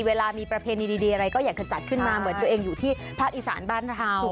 เวลามีประเพณีดีอะไรก็อยากจะจัดขึ้นมาเหมือนตัวเองอยู่ที่ภาคอีสานบ้านเรา